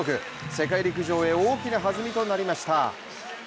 世界陸上へ大きな弾みとなりました。